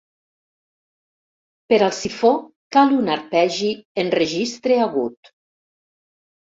Per al sifó cal un arpegi en registre agut.